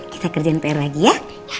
kita kerjain pr lagi ya